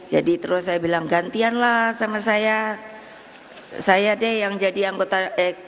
jadi terus saya bilang gantianlah sama saya saya deh yang jadi anggota ekonomi